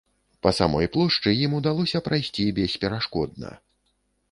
Па самой плошчы ім удалося прайсці бесперашкодна.